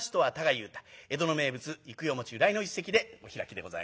江戸の名物幾代由来の一席でお開きでございます。